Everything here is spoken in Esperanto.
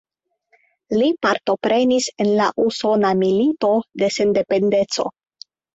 Li partoprenis en la Usona Milito de Sendependeco.